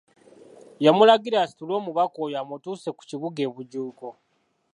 Yamulagira asitule omubaka oyo amutuuse ku Kibuga e Bujuuko.